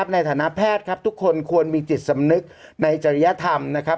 ในฐานะแพทย์ครับทุกคนควรมีจิตสำนึกในจริยธรรมนะครับ